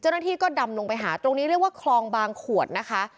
เจ้าหน้าที่ก็ดำลงไปหาตรงนี้เรียกว่าคลองบางขวดนะคะ